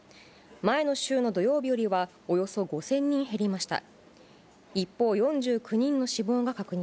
前の週の土曜日よりはおよそ５０００人減りました。